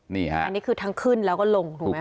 อันนี้คือทั้งขึ้นแล้วก็ลงถูกไหมครับ